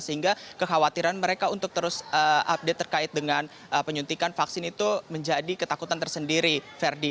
sehingga kekhawatiran mereka untuk terus update terkait dengan penyuntikan vaksin itu menjadi ketakutan tersendiri ferdi